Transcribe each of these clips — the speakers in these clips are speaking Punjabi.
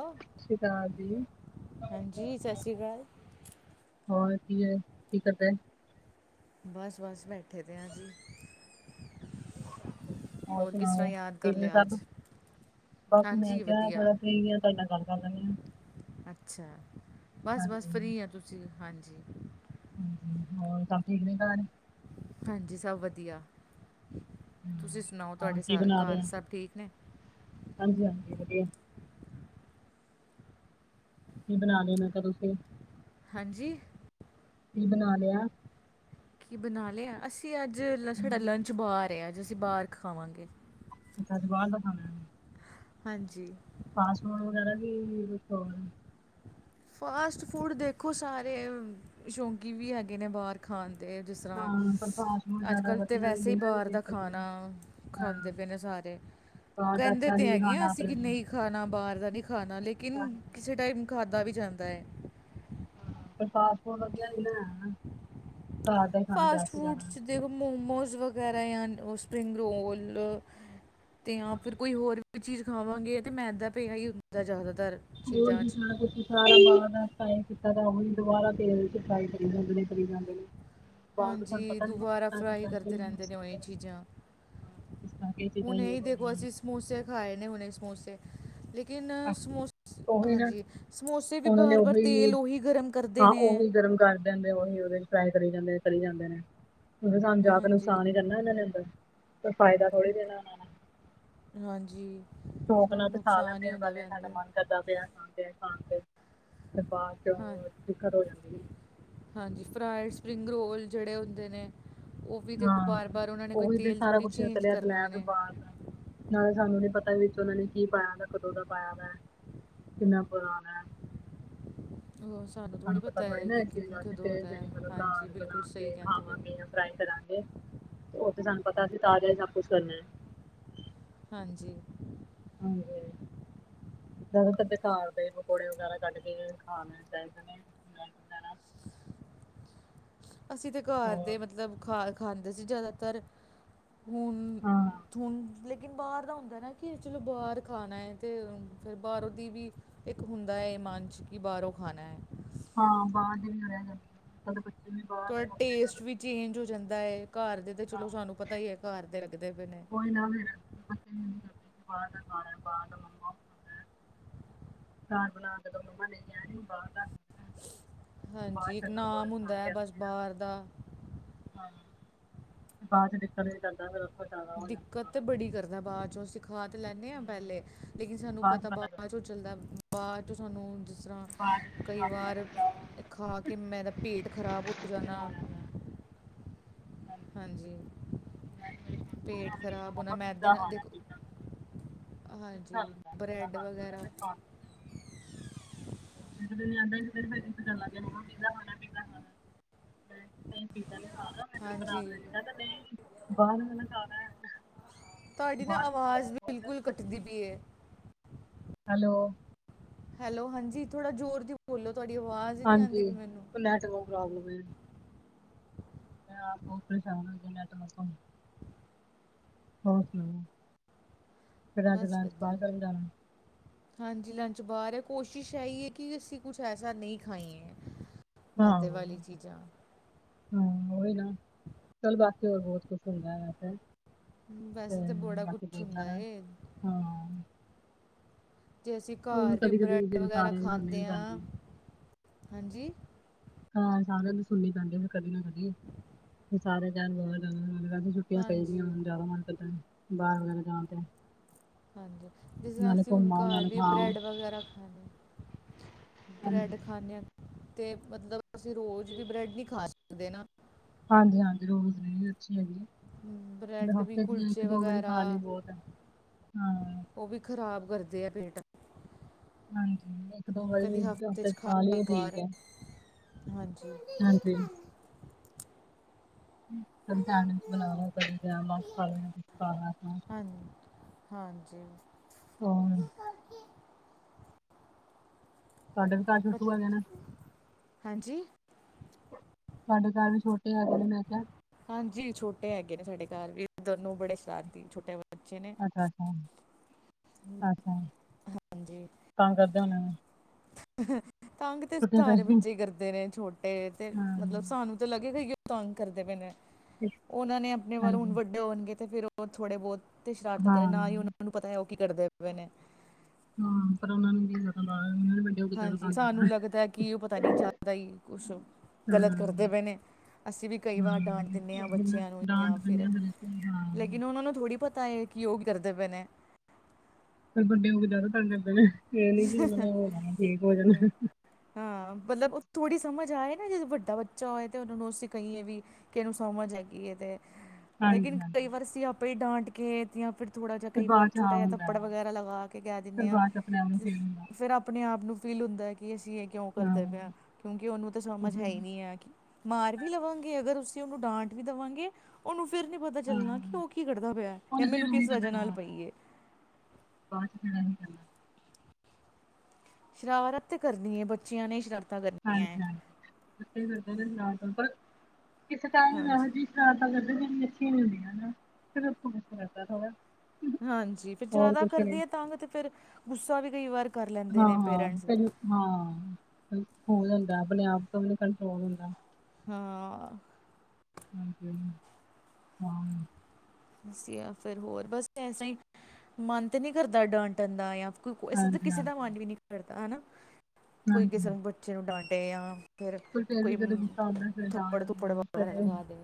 ਔਹ ਸਤਿ ਸ਼੍ਰੀ ਅਕਾਲ ਜੀ। ਸਤਿ ਸ਼੍ਰੀ ਅਕਾਲ ਹੋਰ ਕੀ ਏ ਕਿ ਕਰਦੇ। ਬਸ-ਬਸ ਬੈਠੇ ਦੇ ਆ ਜੀ। ਹੋਰ ਕਿਸ ਤਰ੍ਹਾਂ ਸੁਣਾਓ, ਯਾਦ ਕਰ ਠੀਕ ਨੇ ਲਿਆ ਅੱਜ ਸਭ। ਬਸ ਮੈਂ ਹਾਂਜੀ ਕਿਹਾ ਵਧੀਆ ਥੋੜਾ ਫ੍ਰੀ ਆ, ਤੁਹਾਡੇ ਨਾਲ ਗਲ ਕਰ ਲੈਨੀ ਆ। ਅੱਛਾ, ਹਾਂਜੀ ਬਸ-ਬਸ ਫ੍ਰੀ ਆ, ਤੁਸੀਂ ਹਾਂਜੀ। ਹਾਂਜੀ, ਹੋਰ ਸਬ ਠੀਕ ਨੇ ਘਰ। ਹਾਂਜੀ, ਸਭ ਵਧੀਆ, ਤੁਸੀਂ ਹਾਂ ਸੁਣਾਓ ਹੋਰ ਤੁਹਾਡੇ ਸ ਕੀ ਘਰ ਸਭ ਠੀਕ ਨੇ। ਹਾਂਜੀ-ਹਾਂਜੀ, ਵਧੀਆ। ਕੀ ਬਣਾ ਰੇ ਓ ਹੁਨ ਤਾਂ ਤੁਸੀਂ ਹਾਂਜੀ। ਕੀ ਬਣਾ ਲਿਆ। ਕੀ ਬਣਾ ਲਿਆ ਅਸੀਂ, ਅੱਜ ਸਾਡਾ ਹਮ, ਲੰਚ ਬਾਹਰ ਆ, ਅੱਜ ਅਸੀਂ ਬਾਹਰ ਖਾਵਾਂਗੇ। ਅੱਛਾ, ਅੱਜ ਬਾਹਰ ਦਾ ਖਾਣਾ ਹੈ। ਹਾਂਜੀ। ਫਾਸਟਫੂਦ ਵਗੈਰਾ ਕੀ, ਕੁਛ ਹੋਰ। ਫਾਸਟ ਫੂਡ ਦੇਖੋ, ਸਾਰੇ ਸ਼ੌਕੀਨ ਵੀ ਹੈਗੇ ਨੇ ਬਾਹਰ ਖਾਣ ਦੇ ਜਿਸ ਤਰ੍ਹਾਂ ਹਾਂ ਪਰ ਫਾਸਟ ਫੂਡ ਜ਼ਿਆਦਾ ਅਜਕੱਲ੍ਹ ਤਾਂ ਵਧੀਆ ਵੀ ਵੈਸੇ ਹੀ, ਨਹੀਂ ਨਾ ਬਾਹਰ ਨਹੀਂ ਦਾ ਆਪਣੇ ਲਈ ਖਾਣਾ ਹਾਂ ਖਾਂਦੇ ਪਏ ਨੇ ਸਾਰੇ। ਬਾਹਰ ਦਾ ਕਹਿੰਦੇ ਅੱਛਾ ਤੇ ਨਹੀਂ ਹੈਗੇ ਆ ਖਾਣਾ ਅਸੀਂ, ਆਪਣੇ ਕਿ ਲਈ ਨਹੀਂ ਖਾਣਾ ਬਾਹਰ ਦਾ, ਨਹੀਂ ਖਾਣਾ ਲੇਕਿਨ ਹਾਂਜੀ ਹਾਂਜੀ ਕਿਸੇ ਟਾਈਮ ਖਾਧਾ ਵੀ ਜਾਂਦਾ ਏ ਹਾਂ ਤੇ, ਫਾਸਟ ਫੂਡ ਵਧੀਆ ਨੀ ਬਣਾਇਆ ਨਾ। ਘਰ ਦਾ ਹੀ ਖਾਣਾ ਫਾਸਟ ਬੈਸਟ ਫੂਡ ਜ਼ਿਆਦਾ 'ਚ ਦੇਖੋ, ਮੋਮੋਸ ਵਗੈਰਾ ਜਾਂ ਉ ਸਪਰਿੰਗ ਰੋਲ ਤੇ ਜਾਂ ਫਿਰ ਕੋਈ ਹੋਰ ਵੀ ਚੀਜ਼ ਖਾਵਾਂਗੇ ਤੇ ਮੈਦਾ ਪਿਆ ਹੀ ਹੁੰਦਾ ਜ਼ਿਆਦਾਤਰ। ਹੋਰ ਚੀਜ਼ਾਂ ਕੀ 'ਚ ਖਾਣਾ ਤੁਸੀ। ਸਾਰਾ ਬਾਹਰ ਦਾ ਟ੍ਰਾਈ ਕੀਤਾ, ਉਹੀ ਦੁਬਾਰਾ ਤੇਲ'ਚ ਫਰਾਈ ਕਰੀ ਜਾਂਦੇ ਕਰੀ ਜਾਂਦੇ ਬਾਹਰ ਦਾ ਸਾਨੂੰ ਹਾਂਜੀ, ਪਤਾ ਨੀ ਨਾ ਦੁਬਾਰਾ ਕਿਸ ਫਰਾਈ ਚੀਜ਼ਾਂ ਕਰਦੇ ਯੂਜ ਰਹਿੰਦੇ ਨੇ, ਉਹ ਕਰਦੇ ਇਹ ਚੀਜ਼ਾਂ ਹਾਂ ਕਿਸ ਤਰ੍ਹਾਂ ਕੀ ਚੀਜ਼ਾਂ ਹੁਣ ਇਹ ਯੂਜ ਦੇਖੋ, ਹੁੰਦੀਆਂ ਅਸੀਂ ਨੇ। ਸਮੋਸੇ ਖਾਏ ਨੇ, ਹੁਣੇ ਸਮੋਸੇ ਲ ਲੇਕਿਨ ਸਮੋਸੇ ਉਹੀ ਨਾ ਹਾਂਜੀ, ਸਮੋਸੇ ਵੀ ਉਹਨਾਂ ਨੇ ਵਾਰ-ਵਾਰ ਤੇਲ ਉਹੀ ਗਰਮ ਕਰਦੇ ਹਾਂ ਨੇ। ਉਹੀ ਗਰਮ ਕਰ ਉਹੀ ਉਹਦੇ ਫਰਾਈ ਕਰੀ ਜਾਂਦੇ ਕਰੀ ਜਾਂਦੇ ਨੇ, ਉਹ ਸਾਨੂੰ ਜਾ ਕੇ ਹਾਂਜੀ ਨੁਕਸਾਨ ਹੀ ਕਰਨਾ ਇਹਨਾਂ ਨੇ ਅੰਦਰ। ਕੋਈ ਫਾਇਦਾ ਥੋੜ੍ਹੀ ਦੇਣਾ ਉਹਨਾਂ ਨੇ। ਹਾਂਜੀ। ਸ਼ੌਕ ਨਾਲ ਸਾਨੂੰ ਤੇ ਖਾ ਨੁਕਸਾਨ ਹੀ ਲੈਨੇ ਆ ਹੁੰਦਾ ਪਹਿਲੇ ਪਿਆ ਸਾਡਾ ਅੰਦਰ ਮਨ ਕਰਦਾ ਪਿਆ ਖਾਣ ਤੇ ਖਾਣ ਤੇ ਫੇਰ ਬਾਦ ਚ ਹਾਂ ਦਿੱਕਤ ਹੋ ਜਾਂਦੀ ਏ। ਹਾਂਜੀ, ਫਰਾਈਡ ਸਪਰਿੰਗ ਰੋਲ ਜੇੜੇ ਹੁੰਦੇ ਨੇ। ਉਹ ਵੀ ਦੇਖੋ ਹਾਂ। ਬਾਰ-ਬਾਰ ਉਹਨਾਂ ਨੇ ਕੋਈ ਓਹੀ ਤੇ ਤੇਲ ਸਾਰਾ ਥੋੜੀ ਕੁਛ ਚੇਂਜ ਤਲਿਆ ਕਰਨਾ ਤਲਾਇਆ ਤੇ ਨੇ ਬਾਹਰ ਦਾ ਨਾਲੇ ਸਾਨੂੰ ਨੀ ਪਤਾ ਵਿਚ ਔਨਾਂ ਨੇ ਕੀ ਪਾਇਆ ਦਾ ਕਦੋਂ ਦਾ ਪਾਇਆ ਦਾ ਕਿੰਨਾ ਪੁਰਾਣਾ ਐ। ਹੋਰ ਸਾਨੂੰ ਪਤਾ ਥੋੜੀ ਨਾ ਏਸ ਚੀਜ਼ ਵਾਸਤੇ ਕੇ ਜੇੜੀ ਮਤਲਬ ਹਾਂਜੀ ਘਰ ਬਿਲਕੁਲ ਬਣਾ ਸਹੀ ਕੇ ਕਹਿੰਦੇ ਪਏ ਹੋ ਖਾਵਾਂਗੇ ਜਾਂ ਫਰਾਈ ਕਰਾਂਗੇ। ਓ ਤੇ ਸਾਨੂੰ ਪਤਾ ਅਸੀ ਤਾਜਾ ਈ ਸਭ ਕੁੱਛ ਕਰਨਾ ਐ। ਹਾਂਜੀ। ਹਾਂਜੀ। ਜਿਆਦਾਤਰ ਤੇ ਘਰ ਦੇ ਪਕੌੜੇ ਵਗੈਰਾ ਕੱਢ ਕੇ ਜੇੜੇ ਖਾ ਲੈਣੇ ਚਾਹੀਦੇ ਨੇ ਬ੍ਰੈਡ ਵਗੈਰਾ। ਅਸੀ ਤੇ ਘਰ ਹੋਰ ਦੇ ਮਤਲਬ ਖਾ ਖਾਂਦੇ ਸੀ ਜਿਆਦਾਤਰ। ਹੂਣ ਹਾਂ ਥੁਣ ਲੇ ਲੇਕਿਨ ਬਾਹਰ ਦਾ ਹੁੰਦਾ ਐ ਨਾ ਕਿ ਚਲੋ ਬਾਰ ਖਾਣਾ ਐ ਤੇ ਫੇਰ ਬਾਰੋਂ ਦੀ ਵੀ ਇੱਕ ਹੁੰਦਾਂ ਏ ਮਨ ਚ, ਕਿ ਬਾਰੋਂ ਖਾਣਾਂ ਏਂ। ਹਾਂ ਬਾਰ [unintelligible] ਬੱਦੋ ਬੱਦੀ ਥੋੜਾ ਟੇਸਟ ਵੀ ਚੇਂਜ ਹੋ ਜਾਂਦਾ ਏ, ਘਰ ਦੇ ਤੇ ਚਲੋ ਸਾਂਨੂੰ ਪਤਾਂ ਈ ਐ ਘਰ ਦੇ ਲੱਗਦੇ ਪਏ ਨੇ। [unintelligible] ਬਾਰ ਦਾ ਖਾਣਾਂ ਬਾਰ ਦਾ ਮੰਮਾ। ਘਰ ਬਣਾਕੇ ਕੇ ਦੋ, ਮੰਮਾ ਨਈ ਐ ਨੀ ਬਾਰ ਦਾ ਖਾਣਾ ਹੈ, ਬਾਹਰ ਹਾਂਜੀ, ਇੱਕ ਚੱਲੋ ਬਾਹਰ ਨਾਮ ਖਾ ਹੁੰਦਾ ਐ ਕੇ ਬਸ ਆਉਂਦੇ ਆ ਬਾਰ ਦਾ। ਹਾਂ, ਬਾਦ ਚ ਨਿਕਲ਼ ਵੀ ਜਾਂਦਾ ਫੇਰ। ਜ਼ਿਆਦਾ ਹੋ ਦਿੱਕਤ ਤੇ ਬੜੀ ਕਰਦਾ ਬਾਦ ਚੋਂ, ਅਸੀਂ ਖਾਂ ਤੇ ਲੈਂਨੇ ਆਂ ਪਹਿਲੇ ਹਮ, ਲ਼ੇਕਿਨ ਸਾਂਨੂੰ ਪਤਾਂ ਬਾਦ ਚ ਚੱਲਦਾ, ਬਾਦ ਚੋਂ ਸਾਨੂੰ ਜਿਸਰਾਂ ਬਾਅਦ ਚ ਕਈ ਜਦੋਂ ਕੰਮ ਵਾਰ ਕਰ ਜਾਓ ਖਾ ਕੇ ਮੇਰਾ ਪੇਟ ਖਰਾਬ ਹੋ ਫਿਰ ਜਾਣਾ। ਹੋ ਜਾਂਦਾ [unintelligible] ਹਾਂਜੀ। ਮੈਂ ਤੇ ਮੇਰੀ ਪੇਟ ਛੋਟੀ ਖਰਾਬ ਹੋਣਾ ਮੰਮਾ ਮੈਦੇ ਪੀਜ਼ਾ ਨਾਲ ਖਾਣਾ ਐ ਦੇਖੋ ਪੀਜ਼ਾ। ਹਾਂਜੀ ਬ੍ਰੈਡ ਵਗੈਰਾ [unintelligible] ਇੱਕ ਦਿਨ ਜਾਂਦਾ ਇੱਕ ਦਿਨ ਫੇਰ ਜ਼ਿਦ ਕਰਨ ਲਗ ਜਾਂਦਾ, ਮੰਮਾ ਪੀਜ਼ਾ ਖਾਣਾਂ ਐ ਪੀਜ਼ਾ ਖਾਣਾਂ। ਮੈਂ ਕਿਹਾ ਪੀਜ਼ਾ ਨੀ ਖਾਣਾ ਮੈਂ ਤੇੈਨੂੰ ਬਣਾ ਹਾਂਜੀ ਕੇ ਦਿੰਨੀ, ਆਂਦਾ ਨਈ। ਬਾਰ ਵਾਲਾਂ ਖਾਣਾਂ ਐ, ਤੁਹਾਡੀ ਨਾ ਬਾਰ ਆਵਾਜ਼ ਮੰਗਾਂਓ ਖ਼ੁਦ। ਬਿਲਕੁਲ ਕੱਟਦੀ ਪੀ ਐ। ਹੈਲੋ। ਹੈਲੋ, ਹਾਂਜੀ ਥੋੜਾ ਜ਼ੋਰ ਦੀ ਬੋਲੋ ਤੁਹਾਡੀ ਆਵਾਜ਼ ਨੀ ਆਂਦੀ ਹਾਂਜੀ ਪਈ ਮੈਨੂੰ। ਉਹ ਨੈਟਵਰਕ ਪ੍ਰੋਬਲਮ ਏਂ। ਮੈਂ ਆਪ ਬੋ ਪਰੇਸਾ਼ਨ ਹੋਈ ਆ ਨੇਟਵਰਕ ਤੋਂ ਹੋਰ ਸੁਣਾਓ। ਫਿਰ ਅੱਜ ਬਸ ਲੰਚ ਬਾਹਰ ਵਧੀਆਂ। ਕਰਨ ਜਾਣਾ ਹਾਂਜੀ, ਲੰਚ ਬਾਰ ਐ ਕੋਸ਼ਿਸ਼ ਐ ਈ ਐ ਕਿ ਅਸੀ ਕੁੱਛ ਐਸਾ ਨਈ ਖਾਈਏਂ। ਮੈਦੇ ਹਾਂ ਵਾਲੀ ਚੀਜ਼ਾਂ। ਹਾਂ ਓਈ ਨਾ, ਚੱਲ ਬਾਕੀ ਹੋਰ ਬੋਤ ਕੁੱਛ ਹੁੰਦਾ ਐ ਵੈਸੇ। ਹਮ, ਤੇ ਵੈਸੇ ਤਾਂ ਬੜਾ ਕੁਝ ਬਾਕੀ ਦੇਖ ਹੁੰਦਾ ਲੈਣਾ, ਏ ਹਾਂ। ਜੇ ਅਸੀ ਉਹ ਘਰ ਵੀ ਕਦੀ ਕਦੀ ਬਰੈਡ ਫਿਰ ਵਗ਼ੈਰਾ ਸਾਰਿਆਂ ਦੀ ਸੁਣਨੀ ਵੀ ਖਾਂਦੇ ਆਂ, ਪੈਂਦੀ ਹੈ ਹਾਂਜੀ। ਹਾਂ ਸਾਰਿਆਂ ਦੀ ਸੁਣਨੀ ਪੈਂਦੀ ਏ, ਫੇਰ ਕਦੀ ਨਾ ਕਦੀ। ਸਾਰੇ ਜਾਣਗੇ [unintelligible] ਛੁੱਟੀਆਂ ਪਈ ਦੀਆਂ ਹਾਂਜੀ ਜ਼ਿਆਦਾ ਮਨ ਕਰਦਾ ਐ ਬਾਰ ਵਗੈਰਾ ਜਾਣ ਤੇ। ਹਾਂਜੀ, ਜਿਸ ਰਾਂ ਨਾਲੇ ਅਸੀ ਹੁਣ ਘੁੰਮ ਆਓ ਘਰ ਨਾਲੇ ਵੀ ਖਾਓ ਬ੍ਰੈਡ ਵਗ਼ੈਰਾ ਖਾਨੇ ਬ੍ਰੈਡ ਖਾਂਨੇ ਆਂ, ਤੇ ਮਤਲਬ ਅਸੀਂ ਰੋਜ਼ ਵੀ ਬ੍ਰੈਡ ਨੀ ਖਾ ਸਕਦੇ ਨਾ। ਹਾਂਜੀ -ਹਾਂਜੀ, ਰੋਜ਼ ਨਹੀਂ ਅੱਛੀ ਹੈਗੀ। ਜਿਦਾ ਬ੍ਰੈਡ ਵੀ ਹਫ਼ਤੇ 'ਚ ਇੱਕ ਕੁਲਚੇ ਦੋ ਵਾਰੀ ਵਗੈਰਾ ਖਾਲ ਲੀ ਬੋਤ ਐ, ਹਾਂ। ਓ ਵੀ ਖ਼ਰਾਬ ਕਰਦੇ ਆ ਪੇਂਟ। ਹਾਂਜੀ, ਇੱਕ ਦੋ ਵਾਰੀ ਹਫ਼ਤੇ ਚ ਖਾ ਖਾਲੀ ਲਈ ਓ ਇੱਕ ਠੀਕ ਵਾਰ ਐ। ਹਾਂਜੀ। ਹੁਣ ਸੈਂਡਵਿੱਚ ਬਣਾਣਾ ਪਏਗਾ [unintelligible] ਹਾਂ ਹਾਂਜੀ। ਹੋਰ। ਤੁਹਾਡੇ ਵੀ ਘਰ ਚ ਬੱਚ- ਖੂਹ ਹੈਗਾ ਨਾ। ਹਾਂਜੀ ਤੁਹਾਡੇ ਘਰ ਵੀ ਛੋਟੇ ਹੈਗੇੇ ਨੇ ਮੈਂ ਕਿਆ। ਹਾਂਜੀ, ਛੋਟੇ ਹੈਗੇ ਨੇ ਸਾਡੇ ਘਰ ਵੀ ਏਂ ਦੋਨੋਂ ਬੜੇ ਸ਼ਰਾਰਤੀ ਛੋਟੇ ਬੱਚੇ ਨੇ। ਅੱਛਾ ਅੱਛਾ ਅੱਛਾ ਟਰਾਂਸਪੋਰਟ ਹਾਂਜੀ ਤੰਗ ਕਰਦੇ ਹੋਣੇ। ਤੰਗ ਤੇ ਛੁੱਟੀਆਂ ਪੈ ਸਾਰੇ ਬੱਚੇ ਕਰਦੇ ਨੇ, ਛੋਟੇ ਤੇ ਹਾਂ ਮਤਲਬ ਸਾਨੂੰ ਤਾਂ ਲੱਗੇਗਾ ਹੀ ਤੰਗ ਕਰਦੇ ਪਏ ਨੇ ਉਹਨਾਂ ਨੇ ਆਪਣੇ ਵੱਲ ਹੁਣ ਹਾਂਜੀ ਵੱਡੇ ਹੋਣਗੇ ਤੇ ਫੇਰ ਉਹ ਉਹ ਥੋੜੇ ਬਹੁਤ ਤੇ ਸ਼ਰਾਰਤਾਂ ਹਾਂ ਕਰੇ, ਨਾ ਹੀ ਉਹਨਾਂ ਨੂੰ ਪਤਾ ਹੈ, ਉਹ ਕੀ ਕਰਦੇ ਪਏ ਨੇ। ਹਾਂ ਪਰ ਉਹਨਾਂ ਨੂੰ ਕੀ ਪਤਾ ਗਾਲਾਂ ਗੂਲਾਂ ਨੀ ਪਈ ਹਾਂਜੀ, ਸਾਨੂੰ ਲੱਗਦਾ ਕਿ, ਉਹ ਪਤਾ ਨੀ ਜਿਆਦਾ ਹੀ ਕੁਛ ਗਲਤ ਹਾਂ ਕਰਦੇ ਪਏ ਨੇ, ਅਸੀਂ ਵੀ ਕਈ ਹਾਂ ਵਾਰ ਡਾਂਟ ਦਿੰਦੇ ਆ, ਉਹੀ ਨਾ ਬੱਚਿਆਂ ਨੂੰ ਜਾਂ ਡਾਂਟ ਦਿੰਦੇ ਆ ਫਿਰ ਇਸ ਲਈ ਹਾਂ। ਲੇਕਿਨ ਉਹਨਾਂ ਨੂੰ ਥੋੜ੍ਹੀ ਪਤਾ, ਕਿ ਉਹ ਕੀ ਕਰਦੇ ਪਏ ਨੇ। ਫਿਰ ਵੱਡੇ ਹੋ ਕੇ ਜਿਆਦਾ ਤੰਗ ਕਰਦੇ ਨੇ, ਇਹ ਨੀ ਕੀ ਓਨਾ ਨੇ ਠੀਕ ਹੋ ਜਣ। ਹਾਂ, ਮਤਲਬ ਉਹ ਥੋੜ੍ਹੀ ਸਮਝ ਆਏ ਨਾ, ਜਦ ਵੱਡਾ ਬੱਚਾ ਹੋਏ ਤਾਂ ਉਹਨਾਂ ਨੂੰ ਅਸੀਂ ਕਹੀਏ ਵੀ ਕਿ ਇਹਨੂੰ ਸਮਝ ਹੈਗੀ ਏ ਤੇ, ਹਾਂਜੀ ਲੇਕਿਨ ਹਾਂਜੀ ਕਈ ਵਾਰ ਅਸੀਂ ਆਪੇ ਹੀ ਡਾਂਟ ਕੇ ਜਾਂ ਫਿਰ ਥੋੜ੍ਹਾ ਜਿਹਾ ਫਿਰ ਕਈ ਵਾਰ ਬਾਅਦ ਚ ਛੋਟਾ ਹਾਂ ਜਿਹਾ ਹੁੰਦਾ ਥੱਪੜ ਹੈ, ਵਗੈਰਾ ਲਗਾ ਕੇ ਕਹਿ ਫਿਰ ਦਿੰਦੇ ਆਂ। ਬਾਅਦ ਚ ਆਪਣੇ ਆਪ ਨੂੰ ਫਿਰ, ਫੀਲ ਹੁੰਦਾ। ਫਿਰ ਆਪਣੇ ਆਪ ਨੂੰ ਫੀਲ ਹੁੰਦਾ ਹੈ, ਕਿ ਅਸੀਂ ਇਹ ਕਿਉਂ ਕਰਦੇ ਪਏ, ਹਾਂ ਕਿਉਂਕਿ ਉਹਨੂੰ ਤਾਂ ਸਮਝ ਹੈ ਉਹੀ ਹੀ ਨਾ, ਨਹੀਂ ਹੈ ਕਿ ਮਾਰ ਵੀ ਲਵਾਂਗੇ, ਅਗਰ ਅਸੀਂ ਉਹਨੂੰ ਡਾਂਟ ਵੀ ਦੇਵਾਂਗੇ ਉਹਨੂੰ ਫਿਰ ਪਤਾ ਚੱਲਣਾ ਕਿ ਹਾਂ ਉਹ ਕੀ ਕਰਦਾ ਪਿਆ ਜਾਂ ਉਹਨੇ ਫਿਰ ਮੈਨੂੰ ਉਹੀ ਕਿਸ ਵੱਜ੍ਹਾ ਨਾਲ ਪਈਏ। ਬਾਦ 'ਚ ਪਤਾ ਕੀ ਚਲਣਾ ਸ਼ਰਾਰਤ ਤੇ ਕਰਨੀ ਏ ਬੱਚਿਆਂ ਨੇ ਸ਼ਰ ਹਾਂਜੀ- ਹਾਂਜੀ, ਬੱਚੇ ਕਰਦੇ ਨੇ ਸਰਾਰਤਾ ਪਰ ਕਿਸੇ ਟਾਈਮ ਨਾ ਹਾਂਜੀ ਜੀ ਸ਼ਰਾਰਤਾਂ ਕਰਦੇ ਫਿਰ ਮਿਟੀ ਹੁੰਦੀਆ ਨਾ ਫਿਰ [unintelligible] ਹਾਂਜੀ, ਤੇ ਫਿਰ ਹੋਰ ਜ਼ਿਆਦਾ ਕੁਛ ਨੀ। ਕਰਦੇ ਆ ਤਾਂ ਵੀ ਤੇ ਫਿਰ ਗੁੱਸਾ ਵੀ ਕਈ ਵਾਰ ਕਰ ਲੈਂਦੇ ਨੇ ਹਾਂ-ਹਾਂ ਪੇਰੈਂਟਸ ਪਹਿਲ ਹਾਂ, ਹੋ ਜਾਂਦਾ ਆਪਣੇ ਆਪ ਤੋਂ ਨੀ ਕੰਟਰੋਲ ਹੁੰਦਾ। ਹਾਂ ਹ ਹਾਂਜੀ- ਹਾਂਜੀ ਹਾਂ ਬਸ ਜਾਂ ਫਿਰ ਹੋਰ ਬਸ ਐਸਾ ਹੀ ਮਨ ਤੇ ਨਹੀਂ ਕਰਦਾ, ਡਾਂਟਣ ਦਾ ਜਾਂ ਫਿਰ ਕੋਈ ਵੈਸੇ ਤਾਂ ਹਾਂਜੀ-ਹਾਂਜੀ ਕਿਸੇ ਦਾ ਹਾਂਜੀ ਮਨ ਵੀ ਨਹੀਂ ਕਰਦਾ ਹਨਾ, ਕੋਈ ਹਾਂਜੀ ਕਿਸੇ ਨੂੰ ਬੱਚੇ ਨੂੰ ਡਾਂਟੇ ਯਾ ਫੇਰ ਪਰ ਕੋਈ ਵੀ ਜਦੋਂ ਗੁੱਸਾ ਆਉਂਦਾ ਫਿਰ ਡਾਂਟ ਥੱਪੜ ਥੁਪੜ ਦਿੰਦੇ ਵਗੈਰਾ ਫਿਰ ਲਗਾ ਦੇ,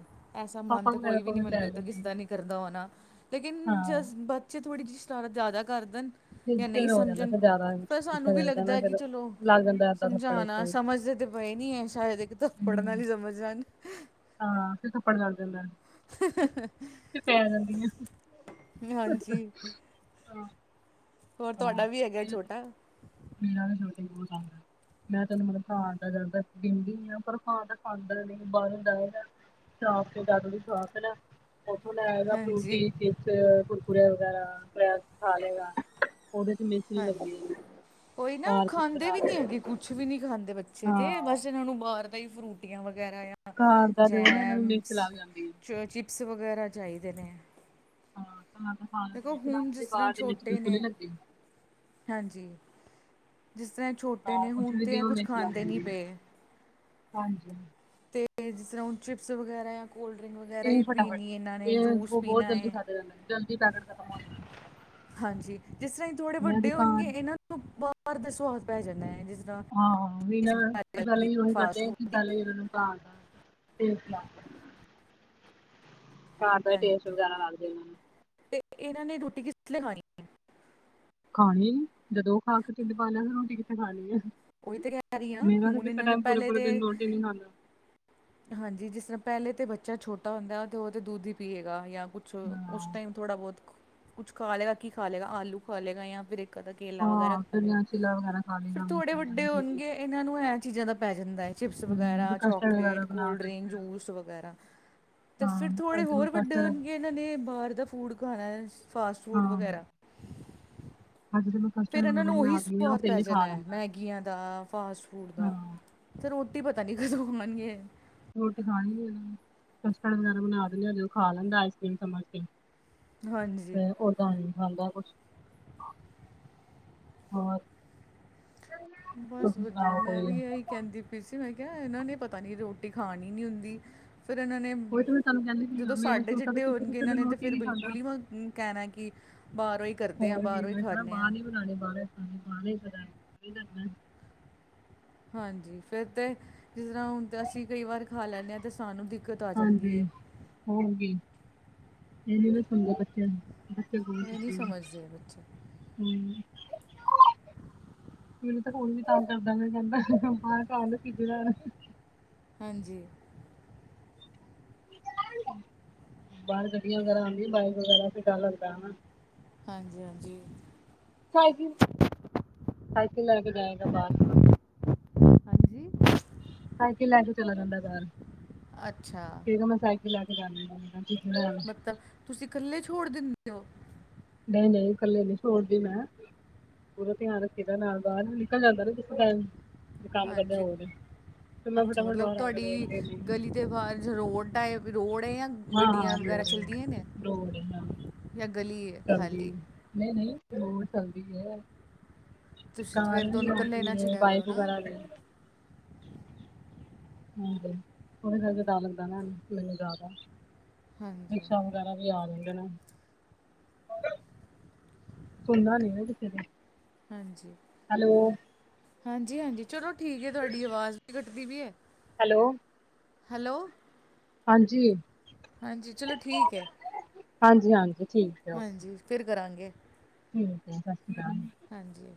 ਐਸਾ ਮਨ ਪਾਪਾ ਤੇ ਵਗੈਰਾ ਕੋਈ ਵੀ ਕੋਲ ਨੀ ਪੈ ਮੈਨੂੰ ਲੱਗਦਾ ਤੇ ਕਿਸੇ ਜਾਂਦੀ ਹੈ। ਦਾ ਨਹੀਂ ਕਰਦਾ ਹੋਣਾ, ਲੇਕਿਨ ਹਾਂ ਜਸਟ ਬੱਚੇ ਥੋੜੀ ਸ਼ਰਾਰਤ ਜ਼ਿਆਦਾ ਕਰਦਨ ਫਿਰ ਜਾਂ ਨਹੀਂ ਫਿਰ ਹੋ ਜਾਂਦਾ ਸਮਝਣ, ਫਿਰ ਜ਼ਿਆਦਾ ਪਰ ਸਾਨੂੰ ਗੁੱਸਾ ਵੀ ਚੜਦਾ ਨਾ ਲੱਗਦਾ ਕਿ ਫਿਰ ਚਲੋ ਲੱਗ ਜਾਂਦਾ ਏਦਾਂ ਥੱਪੜ ਸਮਝਾਣਾ ਕੋਈ ਸਮਝਦੇ ਤੇ ਪਏ ਨੀ ਹੈ, ਸ਼ਾਇਦ ਇੱਕ ਥੱਪੜ ਨਾਲ ਹਮ ਹੀ ਸਮਝ ਜਾਨ ਹਾਂ ਫਿਰ ਥੱਪੜ ਲਗ ਜਾਂਦਾ ਹਮ ਤੇ ਪੈ ਜਾਂਦੀਆਂ ਹਾਂਜੀ ਹੋਰ ਤਾਡਾ ਵੀ ਹੈਗਾ ਛੋਟਾ ਮੇਰਾ ਤੇ ਛੋਟਾ ਹੀ ਬਹੁਤ ਤੰਗ ਕਰਦਾ ਮੈਂ ਤੈਨੂੰ ਮਤਲਬ ਖਾਣ ਦਾ ਜਾਦਾ ਦਿੰਦੀ ਆਂ ਪਰ ਖਾਣ ਦਾ ਖਾਂਦਾ ਨਹੀਂ ਬਾਹਰੋਂ ਜਿਆਦਾ ਲਿਆਉਂਦੇ ਬਾਜ਼ਾਰ 'ਚ ਦਾਦੂ ਦੀ ਸ਼ੋਪ ਹੈ ਨਾ ਓਥੋਂ ਲੈ ਆਏਗਾ ਹਾਂਜੀ, ਫਰੂਟੀ ਫੇਰ ਕੁਰਕੁੁਰੇ ਵਗੈਰਾ ਸਨੇਕਸ ਖਾ ਲਏਗਾ, ਉਹਦੇ 'ਚ ਮਿਰਚ ਨਹੀਂ ਹਾਂਜੀ। ਲੱਗਦੀ ਇੰਨੀ ਉਹੀ ਨਾ ਖਾਂਦੇ ਵੀ ਨਹੀਂ ਹੈਗੇ ਕੁ ਕੁਛ ਵੀ ਨਹੀਂ ਖਾਂਦੇ, ਬੱਚੇ ਤੇ ਹਾਂ ਬਸ ਇਹਨਾਂ ਨੂੰ ਬਾਹਰ ਦਾ ਹੀ ਫਰੂਟੀਆਂ ਵਗੈਰਾ ਜਾਂ ਘਰ ਅਹ ਦਾ ਤੇ ਉਹ ਨਾ ਇਹਨਾਂ ਨੂੰ ਮਿਰਚ ਜੈਮਸ ਲੱਗ ਜਾਂਦੀ ਹੈ ਚ ਚਿਪਸ ਵਗੈਰਾ ਚਾਹੀਦੇ ਨੇ। ਹਾਂ, ਅਸੀਂ ਤਾਂ ਬਾਹਰ ਦਾ ਖਾਣਾ ਖਾ ਦੇਖੋ ਲੈਂਦੇ ਹਾਂ, ਹੁਣ ਜਿਸ ਤਰ੍ਹਾਂ ਪਰ ਮੈਨੂੰ ਬਿਲਕੁਲ ਵੀ ਛੋਟੇ ਚੰਗਾ ਨਹੀਂ ਨੇ ਲੱਗਦਾ। [unintelligible] ਹਾਂਜੀ, ਜਿਸ ਤਰਾਂ ਇਹ ਛੋਟੇ ਹਾਂ ਨੇ, ਹੁਣ ਵੀ ਤੇ ਦਿਓ ਕੁਛ ਮਿਰਚ ਲੱਗ ਖਾਂਦੇ ਨਹੀ ਜਾਂਦੀ ਹੈ ਪਏ ਹਾਂਜੀ ਹ ਤੇ ਜਿਸ ਤਰਾਂ ਹੁਣ ਚਿਪਸ ਵਗੈਰਾ ਆ। ਕੋਲਡ ਡਰਿੰਕ ਵਗੈਰਾ ਇਹ ਵੀ ਫਟਾਫਟ ਪੀਂਣੀ ਐ ਇਹਨਾਂ ਨੇ, ਇਹ ਜੂਸ ਉਹ ਬਹੁਤ ਪੀਣਾ ਜਲਦੀ ਏ ਖਾਧਾ ਜਾਂਦਾ ਜਲਦੀ ਪੈਕਟ ਖਤਮ ਹੋ ਜਾਂਦਾ ਹਾਂਜੀ, ਜਿਸ ਤਰਾਂ ਐ ਥੋੜੇ ਮੈਂ ਵੱਡੇ ਹੋਣਗੇ, ਦੁਕਾਨ ਇਨ੍ਹਾਂ ਨੂੰ ਬਾਰ ਦਾ ਸੁਆਦ ਪੈ ਜਾਣਾ ਆ। ਹਾਂ ਹਾਂ, ਵੀ ਨਾ ਪਹਿਲਾਂ ਇਹੀ ਕਰਦੇ ਫਾਸਟ ਨੇ ਕਿ ਫੂਡ ਦੀ ਪਹਿਲਾਂ ਇਨ੍ਹਾਂ ਨੂੰ ਘਰ ਦਾ ਹੀ ਖਾਣਾ ਖਵਾਉਂਦੇ ਨੇ। ਘਰ ਦਾ ਹੀ ਟੇਸਟ ਹਾਂਜੀ ਵਗੈਰਾ ਲਗਦਾ ਹੀ ਨੀ ਤੇ ਇਨਾਂ ਨੇ ਰੋਟੀ ਕਿਸ ਚੂਲੇ ਖਾਣੀ। ਹੈ ਖਾਣੀ ਨੀ, ਜਦੋਂ ਓ ਖਾ ਕੇ ਹੀ ਢਿੱਡ ਭਰ ਲੈਣ, ਰੋਟੀ ਕਿੱਥੇ ਖਾਣੀ ਆ? ਉਹੀ ਤੇ ਕਹਿ ਰਹੀ ਹਾਂ ਮੇਰਾ ਤਾਂ ਹੁਣ ਕਿਸੇ ਇਹਨਾਂ ਨੇ ਟੈਮ ਪਹਿਲੇ ਪੂਰੇ-ਪੂਰੇ ਦਿਨ ਰੋਟੀ ਨੀ ਖਾਂਦਾ। ਹਾਂ ਜੀ, ਜਿਸ ਤਰਾਂ ਪਹਿਲੇ ਤੇ ਬੱਚਾ ਛੋਟਾ ਹੁੰਦਾ ਆ, ਤੇ ਓ ਤਾਂ ਦੁੱਧ ਹੀ ਪੀਏ ਗਾ ਜਾਂ ਕੁਛ ਉਸ ਹਾਂ ਟਾਈਮ ਥੋੜਾ-ਬਹੁਤ ਕੁਝ ਖਾ ਲੇਗਾ, ਕਿ ਖਾ ਲੇਗਾ ਆਲੂ ਖਾ ਲੇਗਾ ਜਾਂ ਫਿਰ ਇੱਕ ਅੱਧਾ ਕੇਲਾ ਵਗੈਰਾ ਹਾਂ ਖਾ ਫਿਰ ਲੇਗਾ, ਜਾਂ ਚਿੱਲਾ ਵਗੈਰਾ ਖਾ ਫੇਰ ਲਏਗਾ ਥੋੜੇ ਬੇਸਣ ਦਾ ਵੱਡੇ ਜਾਂ ਸੂਜੀ ਦਾ ਹੋਣਗੇ ਇਨਾਂ ਨੂੰ ਐ ਚੀਜ਼ਾਂ ਦਾ ਪੈ ਜਾਂਦਾ ਚਿਪਸ ਹਮ ਵਗੈਰਾ, ਫਿਰ ਕਸਟਰਡ ਚਾਕਲੇਟ ਵਗੈਰਾ ਬਣਾ ਦਿੰਦੇ ਆ ਜੂਸ ਵਗੈਰਾ ਤੇ ਫਿਰ ਹਾਂ ਥੋੜੇ ਅੱਜ ਤਾਂ ਮੈਂ ਹੋਰ ਵੱਡੇ ਕਸਟਰਡ ਹੋਣਗੇ ਏਨਾਂ ਨੇ ਬਾਰ ਦਾ ਫੂਡ ਖਾਣਾ ਫਾਸਟ ਫੂਡ ਵਗੈਰਾ ਹਾਂਜੀ। ਫਿਰ ਇਨਾਂ ਨੂੰ ਉਹੀ ਸੁਆਦ ਪੈ ਜਾਣਾ ਮੈਗੀ ਆ ਦਾ, ਫਾਸਟ ਫੂਡ ਦਾ, ਹਾਂ ਤੇ ਰੋਟੀ ਪਤਾ ਨੀ ਕਦੋਂ ਖਾਣਗੇ ਰੋਟੀ ਖਾਣੀ ਨੀ, ਕਸਟਡ ਵਗੈਰਾ ਬਣਾ ਦਿੰਨੇ ਆ, ਓ ਖਾ ਲੈਂਦਾ ਆਈਸਕ੍ਰੀਮ ਸਮਝ ਕੇ ਹਾਂਜੀ ਤੇ ਓਦਾਂ ਨੀ ਖਾਂਦਾ ਕੁਛ ਹੋਰ। ਬਸ ਤੁਸੀਂ ਵਧੀਆ, ਸੁਣਾਓ ਕੋਈ ਮੈਂ ਵੀ ਉਹੀ ਇਹੀ। ਕਹਿੰਦੀ ਪਈ ਸੀ। ਮੈਂ ਕਿਹਾ ਇਨਾਂ ਨੇ ਪਤਾ ਨੀ ਰੋਟੀ ਖਾਣੀ ਨੀ ਫਿਰ ਇਨਾਂ ਨੇ ਤੇ ਮੈਂ ਤੁਹਾਨੂੰ ਕਹਿੰਦੀ ਪਈ ਆ ਜਦੋਂ ਮੇਰਾ ਸਾਡੇ ਛੋਟਾ ਤਾਂ ਜਿਢੇ ਕਿਸੇ ਹੋਣਗੇ, ਕਿਸੇ ਇਨਾਂ ਦਿਨ ਨੇ ਤੇ ਰੋਟੀ ਫਿਰ ਨੀ ਖਾਂਦਾ ਬਿਲਕੁਲ ਹੀ ਕਹਿਣਾ ਆ ਕਿ ਬਾਰੋਂ ਹੀ ਕਰਦੇ ਆ, ਹੋਰ ਵੀ ਬਾਰੋਂ ਹੀ ਮੈਂ ਕਹਿਣਾ ਖਾਣੇ ਬਾਹਰ ਆ ਨੀ ਬਣਾਉਣੀ [inaudible] ਹਾਂਜੀ, ਫਿਰ ਤੇ ਜਿਸ ਤਰ੍ਹਾਂ ਹੁਣ ਤੇ ਅਸੀਂ ਕਈ ਵਾਰ ਖਾ ਲੈਣੇ ਆ, ਤੇ ਸਾਨੂੰ ਵੀ ਹਾਂਜੀ ਓ ਹੋਗੀ ਏ ਨੀ ਨਾ ਸੁਣਦੇ ਬੱਚਿਆਂ ਨੂੰ ਬੱਚੇ ਇਹ ਨਹੀਂ ਨੂੰ ਸਮਝਦੇ ਬੱਚੇ ਹੂੰ, ਹੂੰ। ਸਕੂਲ ਵੀ ਕੰਮ ਕਰਦਾ ਰਹਿੰਦਾ ਮੈਂ ਕਿਹਾ, ਬਾਰ ਖਾ ਲੈ ਹਾਂਜੀ। ਬਾਹਰ ਗੱਡੀਆਂ ਵਗੈਰਾ ਆਂਦੀਆਂ, ਬਾਈਕਾਂ ਵਗੈਰਾ 'ਤੇ ਡਰ ਲਗਦਾ ਹੈ ਨਾ। ਹਾਂਜੀ ਹਾਂਜੀ। ਸਾਕ ਸਾਈਕਲ ਲੈ ਕੇ ਬਹਿ ਜਾਦਾ ਬਾਰ ਹਾਂਜੀ ਸਾਈਕਲ ਲੈ ਕੇ ਚਲਾ ਜਾਂਦਾ ਬਾਰ ਅੱਛਾ। ਫੇਰ ਮੈਂ ਸਾਈਕਲ ਲੈਕੇ ਜਾਣੀ ਆ ਅੰਦਰ ਹੂੰ ਹਾਂ। ਮਤਲਬ ਤੁਸੀਂ ਕੱਲੇ ਛੋੜ ਦਿੰਦੇ ਹੋ? ਨਈ ਨਈ, ਕੱਲੇ ਨੀ ਛੋੜਦੀ ਮੈਂ ਪੂਰਾ ਧਿਆਨ ਰੱਖੀਦਾ ਨਾਲ-ਨਾਲ ਨਿਕਲ ਜਾਂਦਾ ਨਾ ਜਿਸ ਟੈਮ ਕੰਮ ਕਰਦੇ ਹਾਂਜੀ ਹੋਏ ਅੱਛਾ, ਮਤਲਬ ਤੁਹਾਡੀ ਗਲੀ ਦੇ ਬਾਰ ਰੋਡ ਆ ਜਾ? ਹਾਂ-ਹਾਂ ਗੱਡੀਆਂ ਵਗੈਰਾ ਲੋੜ ਚੱਲਦੀਆਂ ਨੇ ਲੋੜ ਹਾਂ ਜਾਂ ਗਲੀ ਆ? ਚੱਲਦੀ ਨਈ ਨਈ ਰੋਡ ਚੱਲਦੀ ਪਈ ਆ ਤੁਸੀਂ ਕਾਰ ਫਿਰ ਵੀ ਤੁਹਾਨੂੰ ਇਕੱਲੇ ਨਾ ਆਂਦੀ ਆ, ਛੱਡਿਆ ਕਰੋ ਬਾਈਕ ਨਾ ਵਗੈਰਾ ਵੀ ਹਾਂਜੀ ਓ ਮੈਨੂੰ ਜਿਆਦਾ ਹਾਂਜੀ ਹਮੇਸ਼ਾ ਓ ਗਾਨਾ ਵੀ ਆ ਜਾਂਦੇ ਨੇ ਸੁਣਦਾ ਨੀ ਐ ਕਿਸੇ ਦੀ। ਹਾਂਜੀ। ਹੈਲੋ! ਹਾਂਜੀ - ਹਾਂਜੀ, ਚਲੋ ਠੀਕ ਐ। ਤੁਹਾਡੀ ਆਵਾਜ਼ ਵੀ ਕੱਟਦੀ ਪੀ ਐ। ਹੈਲੋ! ਹੈਲੋ! ਹਾਂਜੀ। ਹਾਂਜੀ, ਚਲੋ ਠੀਕ ਐ। ਹਾਂਜੀ -ਹਾਂਜੀ। ਹਾਂਜੀ, ਫਿਰ ਕਰਾਂਗੇ। ਠੀਕ ਐ, ਸ਼ਸ ਸੀ ਕਾਲ। ਹਾਂਜੀ।